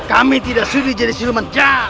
kami tidak sudi jadi siluman